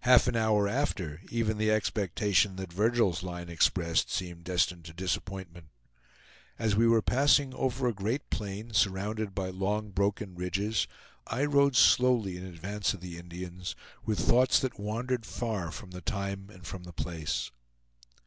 Half an hour after, even the expectation that Virgil's line expressed seemed destined to disappointment. As we were passing over a great plain, surrounded by long broken ridges, I rode slowly in advance of the Indians, with thoughts that wandered far from the time and from the place.